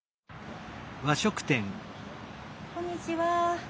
こんにちは。